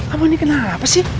apa ini kenapa sih